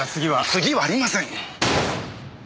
次はありません！